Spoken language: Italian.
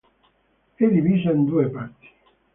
È divisa in due parti.